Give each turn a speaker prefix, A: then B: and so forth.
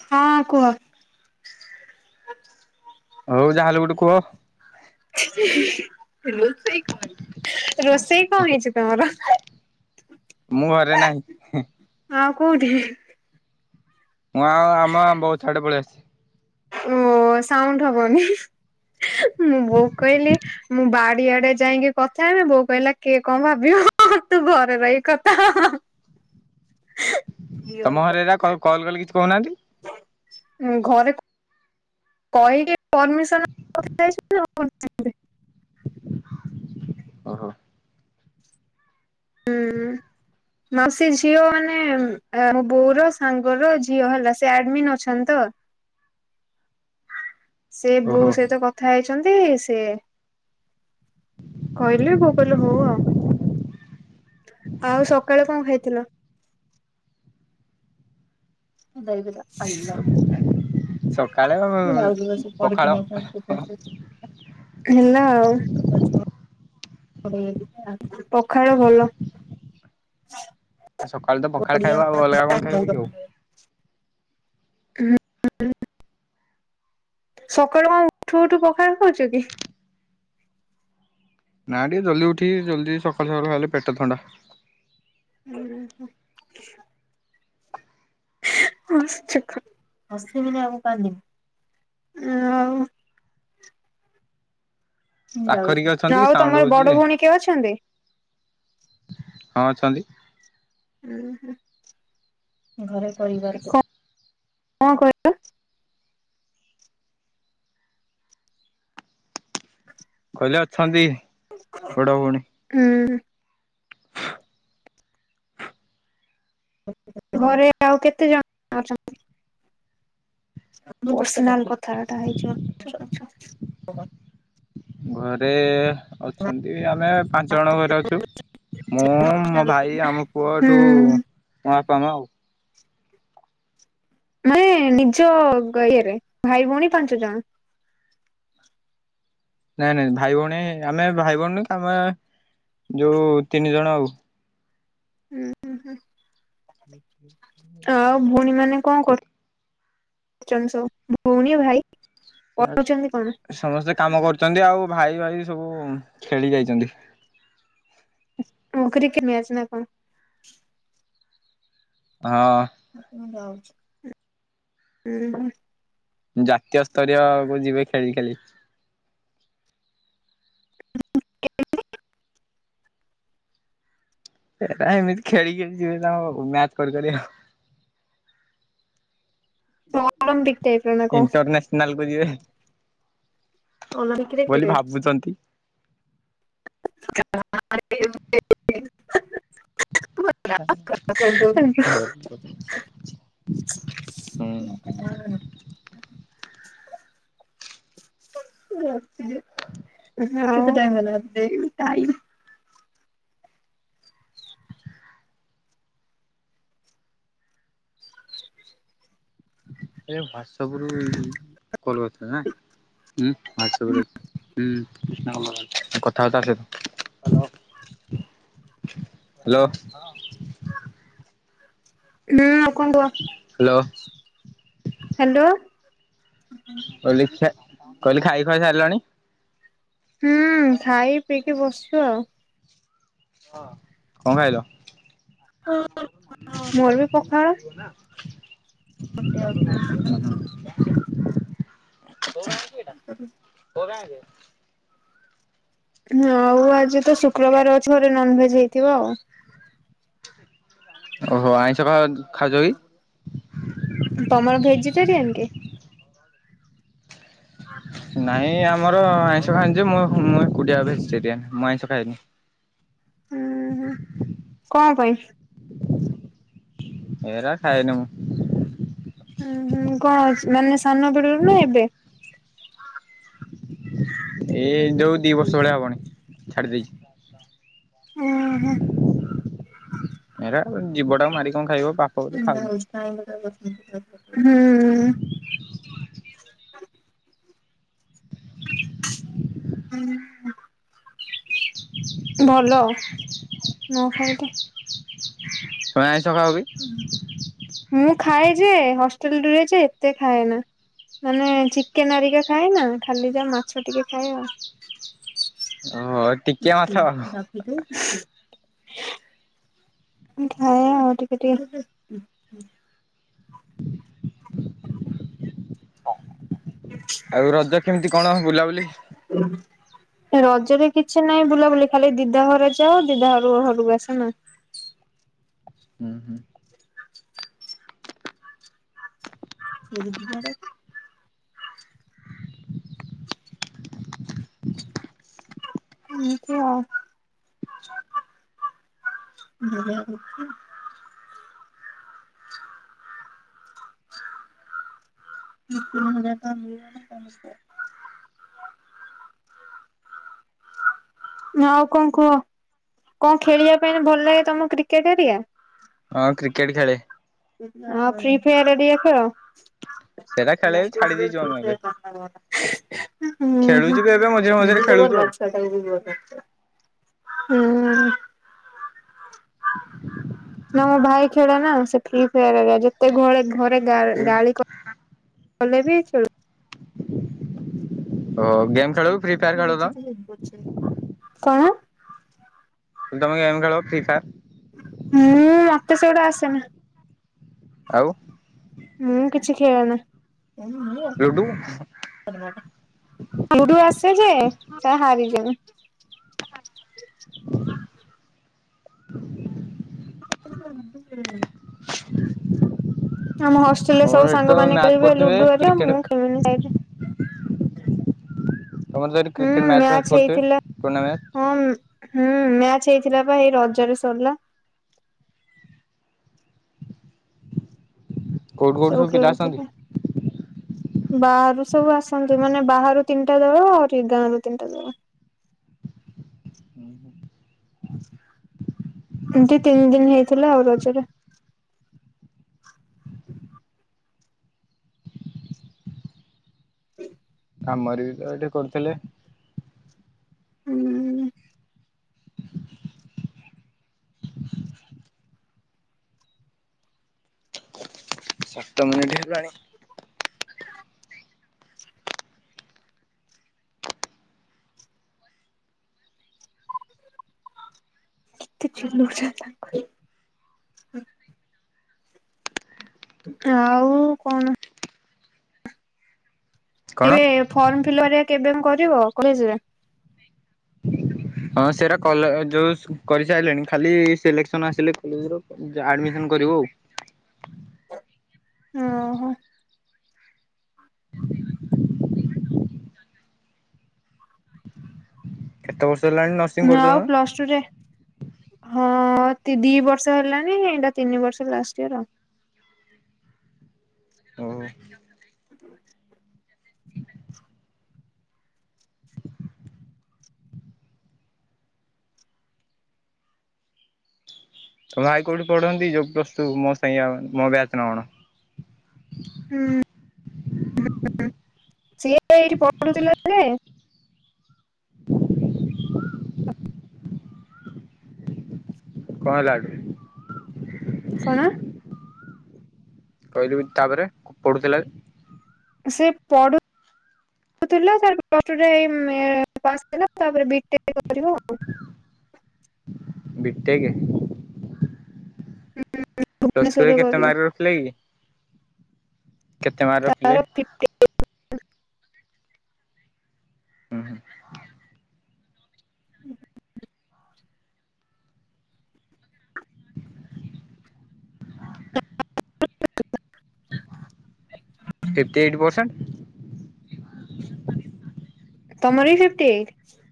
A: ହଁ କୁହ।
B: ହଉ ଯାହାେଲେ ଗୋଟେ କୁହ
A: ଫ ବହୁତ ସେଇ କମ ରୋଷେଇ କଣ ହେଇଛି ତମର
B: ମୁଁ ଘରେ ନାହିଁ
A: ଆ କଉଦି
B: ମୁଁ ଆଉ ଆମ ବହୁତ ଛଆଡେ ପଳେଇ ଆସିଛି।
A: ଓ ସାଉଣ୍ଡ ହବନି। ମୁଁ ବୋଉ କହିଲି ମୁଁ ବା ଆଡିଆଡେ ଯାଇକି କଥା ଏମି ବୋଉ କହିଲା କିଏ କଣ ଭାବିବ ତୁ ଘରେ ରହି କଥା
B: ତମ ହରେରା କ କଲ୍ କଲେ କିଛି କହୁନାହାନ୍ତି।
A: ଘରେ କହିକି ପରମିନ [inaudible]
B: ଓ ହୋ।
A: ହୁଁ ମାଉସ ଝିଅ ମାନେ ମୋ ବୋଉର ସାଙ୍ଗର ଝିଅ ହେଲା ସେ ଆଡମ ଅଛଛନ୍ତି ତ। ସେ ବୋଉ
B: ଓହୋ
A: ସହିତ କଥା ହେଇଛି। ସ କହିଲେ ଭୋ କହିଲୁ ହଉ ଆଉ ଆଉ ସକାଳେ କଣ ଖାଇଥିଲ? [inaudible]
B: ସକାଳେ ପଖାଳ
A: ନା ଆଉ। ପଖାଳ ଭଲ।
B: ଆ ସକାଳୁ ତ ପଖାଳ ଖାଇବା ଆଉ ଅଲଗା କଣ ଖାଇବ କି ଆଉ।
A: ସକାଳୁ ଆ ଉଠୁ ଉଠୁ ପଖ ଖହୁଛୁ କି?
B: ନା ଟିକେ ଜଲଦି ଉଠି ଜଲଦି ସକାଳୁ ସକାଳୁ ଖଲେ ପେଟ ଥଣ୍ଡା।
A: ହୁଁ ହ। ହ ଆମ କା ଆ [inaudible] ଯାଉ
B: ପାଖରେ କିଏ ଅଛନ୍ତି କି
A: ଆଉ
B: ସାଉଣ୍ଡ
A: ତମର
B: ହଉଛି
A: ବଡ
B: ଯେ
A: ଭଉଣୀ କିଏ ଅଛନ୍ତି?
B: ହଁ ଅଛନ୍ତି।
A: ଘରେିବ କଣ କହିବ।
B: କହିଲେ ଅଛନ୍ତି। ବଡ ଭଉଣୀ।
A: ହୁଁ। ଘରେ ଆଉ କେତେ ଜଣ ଅଛନ୍ତି? ପନା କଥାଟା ହେଇଚ
B: ଘରେ ଅଛନ୍ତି ଆମେ ପାଞ୍ଚ ଜଣ ଘରେ ଅଛୁ ମୁଁ ମୋ ଭାଇ ଆମ ପୁଅ ଏଠୁ
A: ହୁଁ
B: ମୋ ବମାଉ।
A: ନଇମାନେ ନିଜ ଇଏରେ ଭାଇ ଭଉଣୀ ପାଞ୍ଚ ଜଣ।
B: ନାଇଁ ନାଇଁ ଭାଇ ଭଉଣୀ ଆମେ ଭାଇ ଭଉଣୀ ଆମେ ଯୋଉ ତିନି ଜଣ ଆଉ।
A: ହୁଁ ହୁଁ ହୁଁ।
B: ଠିକ ଠ [inaudible]
A: ଆଉ ଭଉଣୀମାନେ କଣ କରୁଛ। ଚନ୍ଦ ସ ବୁଣି ଭାଇ ପଢୁଛନ୍ତି କଣ?
B: ସେଆଡ ସମସ୍ତେ କାମ କରୁଛନ୍ତି ଆଉ। ଭାଇ ଭାଇ ସବୁ ଖେଳି ଯାଇଛନ୍ତି।
A: ଓ କ୍ରିକେଟ ମିଛ ନା କଣ?
B: ହଁ
A: ଆ ମୁଁ ଯାଉଛି। ହୁ ହୁଁ।
B: ଜାତୀୟ ସ୍ତରୀୟ କୁ ଯିବେ ଖେଳି ଖେଳି। ପ ଏମିତି ଖେଳି ଯିବ ମ୍ୟାଚ କରି କରି।
A: ଆରମ୍ପିକ୍ ଟାଇପ ର କ
B: ଇଣ୍ଟରନ୍ୟାସନାଲ କୁ ଯିବେ ବୋଲି ଭାବୁଛନ୍ତି।
A: [inaudible] କଣ?
B: [unintelligible]
A: [unintelligible]
B: [inaudible] କୋଲକତା ନା ହୁଁ ହାଟସ ଆପ୍ ହୁଁ। କଥାବାର୍ତା ସେ ତ ହ୍ୟାଲୋ।
A: [unintelligible] ଆଉ କଣ କୁହ?
B: ହ୍ୟାଲୋ
A: ହ୍ୟାଲୋ
B: କହିଲ ଦେଖିଆ କହିଲି ଖାଇ କହି ସାରିଲାଣି?
A: ହୁଁ ଖାଇ ପିଇକି ବସ ବସିଛୁ ଆଉ।
B: ହଁ କଣ ଖାଇଲ?
A: ହଁ।
B: [unintelligible]
A: [unintelligible] ହଉ ଆଉ ଆଜି ତ ଶୁକ୍ରବାର ଅଛି ଘରେ ନନଭେଜ ହେଇଥିବ ଆଉ।
B: ଓହୋ ଆଇଁଷ ଖାଅ ଖାଉଚ କି?
A: ତମର ଭେଜିଟେରିୟନ କି?
B: ନାଇଁ ଆମର ଆଇଁଷ ଖାଅନ୍ତି ଯେ ମୁ ମୁଁ ଏକୁଟିଆ ଭେଜିଟେରିଆନ୍ ମୁଁ ଆଇଁଷ ଖାଏନି।
A: ହୁଁ ହୁଁ କଣ ପାଇଁ?
B: ଏରା ଖାଏନି ମୁଁ।
A: ହୁଁ ହୁଁ କଣ ଅଛି ମାନେ ସାନ ବେଳରୁ ନା ଏବେ?
B: ଏଇ ଯୋଉ ଦି ବର୍ଷ ଭଳିଆ ହବଣି। ଛାଡ଼ି ଦେଇଛି।
A: ଉଁ ହୁଁ।
B: ଜୀବ ଟାକୁ ମାରିକି କଣ ଖାଇବ? ପାପ ବୋଲି ଖାଉନି।
A: ହୁଁ। ହୁଁ ଉଁ। ଭଲ। ନଖାଇଲେ।
B: ତମେ ଆଇଁଷ ଖାଅ କି?
A: ମୁଁ ଖାଏ। ଯେ ହଷ୍ଟେଲରେ ଯେ ଏତେ ଖାଏ ନା ମାନେ ଚିକେନ ହେରିକା ଖାଏ ନା ଖାଲି ଯା ମାଛ ଟିକେ ଖାଏ ଆଉ।
B: ଓ ଟିକେ ମାଛ।
A: [unintelligible] ଖାଏ ଆଉ ଟିକେ ଟିକେ। ହଁ।
B: ଆଉ ରଜ କେମିତି କଣ ବୁଲାବୁଲି
A: ରଜରେ କିଛି ନାହିଁ ବୁଲାବୁଲି ଖାଲି ଦିଦାଘର ଯାଅ ଦିଦା ଘରକୁ ଆସ ନା।
B: ହୁଁ ହୁଁ।
A: [unintelligible] ଏମିତି ଆଉ [unintelligible] ଆଉ କଣ କୁହ? କଣ ଖେଳିବା ପାଇଁ ଭଲ ଲାଗେ ତମକୁ କ୍ରିକେଟ ଏରିକା?
B: ହଁ କ୍ରିକେଟ ଖେଳେ।
A: ହଁ ଫ୍ରି ଫାୟାର ରେଡ୍ଡୀ ଅକ୍ଷର
B: ସେଟା ଖେଳେ ଛାଡି ଦେଇଛୁ ଆମେ ଏବେ ଖେଳୁଛୁ ବି
A: [unintelligible] ହୁଁ।
B: ଏବେ ମଝିରେ
A: [inaudible]
B: ମଝିରେ ଖେଳୁଛୁ ଆଉ।
A: ନା ମୋ
B: [inaudible]
A: ଭାଇ ଖେଳ ନା ସେ ଫି ଫାୟାର ଯେତେବେଳେ ଘରେ ଗା ଗାଳି କଲେ ବି ଖୋ
B: [inaudible] ଖେଳ ଫ୍ରି ଫାୟାର ଖେଳ ତ
A: [unintelligible] କଣ?
B: ତମେ ଗମ୍ ଖେଳ ଫ୍ରି ଫାୟାର୍?
A: ମୁଁ ମତେ ସେଗଟା ଆସେନି।
B: ଆଉ
A: ମୁଁ କିଛି ଖେଲେନା?
B: ଲୁଡୁ
A: ଲୁଡୁ ଆସେ ଯେ ହାରିଯିବି।
B: ନ୍ତ [inaudible]
A: [unintelligible]
B: [inaudible]
A: ଆମ ହଷ୍ଟେଲରେ
B: ତମର
A: ସବୁ
B: ଏଠି ତ
A: ସାଙ୍ଗ ମାନ
B: ମ୍ୟାଚ
A: ଖେଳିବେ
B: କରୁଥିବେ
A: ଲୁଡୁ ରେ
B: କ୍ରିକେଟ
A: ମୁଁ ଖେଳିନି।
B: ତମର ସେଠି କ୍ରିକେଟ ମ୍ୟାଚ ଫ୍ୟାଚ
A: ହେଇଥିଲା
B: କରୁଥିବେ ଟୁର୍ଣ୍ଣାମେଣ୍ଟ।
A: ହଁ ହୁଁ ମ୍ୟାଚ ହେଇଥିଲା ବା ଏଇ ରଜରେ ସରିଲା।
B: କୋଉଠି କୋଉଠି ସବୁ ପିଲା ଆସଛନ୍ତି।
A: ବାହାରୁ ସବୁ ଆସନ୍ତି ମାନେ ବାହାରୁ ତିନିଟା ଦଳ ଆହୁରି ଗାଁ ର ତିନିଟା ଦଳ। [inaudible] ଏମତି ତିନି ଦିନ ହେଇଥିଲା ଆଉ ରଜରେ। [inaudible]
B: ଆମର ବି ତ ଏଠି କରୁଥିଲେ।
A: ହୁଁ।
B: ସାତମିନିଟ ହେଲାଣି।
A: [unintelligible] ଆଉ କଣ?
B: କଣ
A: ଏବେ ଫର୍ମ [inaudible] ଥିବ କଲେଜ ରେ
B: ହଁ ସେଟାଲେ ଯୋଉ କରିସାରିଲେଣି ଖାଲି ସିଲକ୍ସନ ଆସିଲେ କଲେ ଆଡମିସନ କରିବୁ ଆଉ। [inaudible]
A: ଓହୋ।
B: କେତେ ବର୍ଷ ହେଲାଣି ନର୍ସିଂ
A: ନା
B: କରୁଛ
A: ଆଉ
B: ତମେ
A: ପ୍ଲସ ଟୁରେ ହଁ ଦି ବର୍ଷ ହେଲାଣିି ଏଇଟା ତିନି ବର୍ଷ ଲାଷ୍ଟ ଇୟର ଆଉ।
B: ଓ ତୋ ଭାଇ କୋଉଠି ପଢନ୍ତି ଯୋଉ ପ୍ଲସ ଟୁ ମୋ ସାଙ୍ଗ ମୋ ବ୍ୟାଚ ନା କଣ?
A: ହୁଁ ସିଏ ଏଇଠି ପଢୁଥିଲା ଯେ
B: [inaudible] କଣ ହେଲା କି?
A: କଣ?
B: କହିଲି ବି ତାପରେ ପଢ଼ୁଥିଲା
A: ସେ ପଢ଼ୁ ପଢ଼ୁଥିଲା ତାପରେ ପ୍ଲସ ଟୁ ରେ ଏଇ ପାସ୍ ହେଲା ତାପରେ ବି ଟେକ୍ କରିବ ଆଉ।
B: B tech. ପ୍ଲସ ଟୁ ରେ
A: ଭୁବନେଶ୍ୱରରେ
B: କେତେ
A: କରିବ।
B: ମାର୍କ ରଖିଲେ କି? କେତେ ମାର୍କ ରଖିଲେ?
A: ତାର ଫିଫ୍ଟି
B: ହୁଁ ହୁଁ। Fifty eight percent.
A: ତମର ବି ଫିଫ୍ଟି ଏଇଟ?